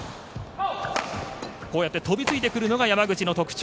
こうやって飛びついてくるのが山口の特徴。